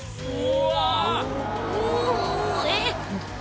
うわ！